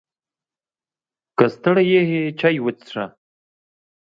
که ستړی یې، چای وڅښه!